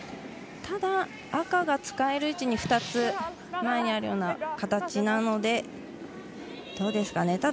ただ、赤が使える位置に２つ、前にあるような形なので、どうですかね。